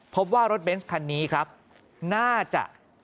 พบว่ารถเบนส์คันนี้ครับน่าจะ